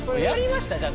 やりました？